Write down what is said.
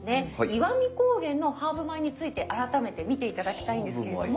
石見高原のハーブ米について改めて見て頂きたいんですけれども。